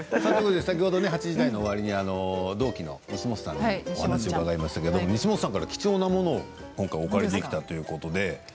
８時台の終わりに同期の西本さんのお話を伺いましたけれども貴重なものをお借りできたということで。